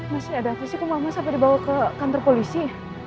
mas masih ada hati sih kok mama sampai dibawa ke kantor polisi